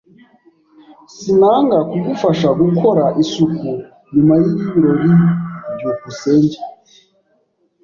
Sinanga kugufasha gukora isuku nyuma yibirori. byukusenge